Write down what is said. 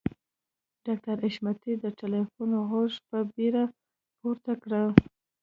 ډاکټر حشمتي د ټليفون غوږۍ په بیړه پورته کړه.